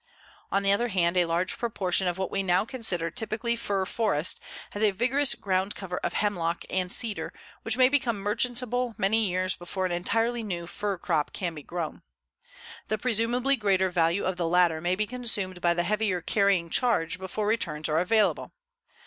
On the other hand, a large proportion of what we now consider typically fir forest has a vigorous ground cover of hemlock and cedar which may become merchantable many years before an entirely new fir crop can be grown. The presumably greater value of the latter may be consumed by the heavier carrying charge before returns are available.